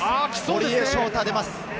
堀江翔太、出ます。